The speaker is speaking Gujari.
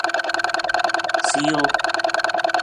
سیؤ